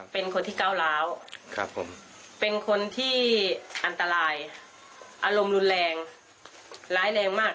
เป็นคนที่ก้าวร้าวเป็นคนที่อันตรายอารมณ์รุนแรงร้ายแรงมาก